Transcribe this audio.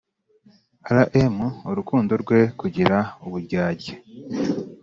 Rm urukundo rwe kugira uburyarya